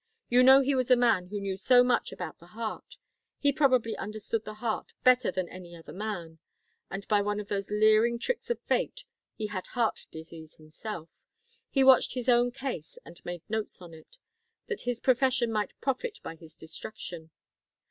You know he was the man who knew so much about the heart; he probably understood the heart better than any other man. And by one of those leering tricks of fate, he had heart disease himself. He watched his own case and made notes on it, that his profession might profit by his destruction.